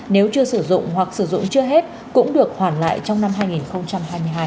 nếu chưa sử dụng hoặc sử dụng chưa hết cũng được hoàn lại trong năm hai nghìn hai mươi hai